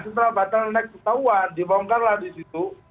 nah setelah bottleneck ketahuan dibongkarlah disitu